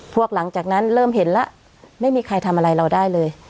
หลังจากนั้นเริ่มเห็นแล้วไม่มีใครทำอะไรเราได้เลย